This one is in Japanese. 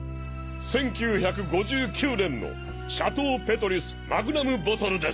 １９５９年のシャトー・ペトリュスマグナムボトルです。